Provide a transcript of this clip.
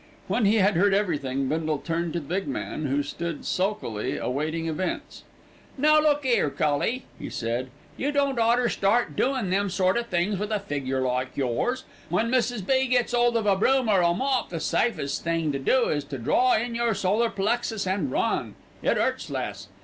When he had heard everything, Bindle turned to the big man, who stood sulkily awaiting events. "Now, look 'ere, cully," he said. "You didn't oughter start doin' them sort o' things with a figure like yours. When Mrs. B. gets 'old of a broom, or a mop, the safest thing to do is to draw in your solar plexus an' run. It 'urts less.